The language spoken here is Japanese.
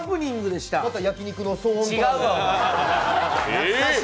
また焼き肉の騒音とか？